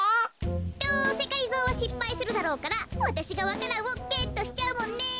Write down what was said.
どうせがりぞーはしっぱいするだろうからわたしがわか蘭をゲットしちゃうもんね。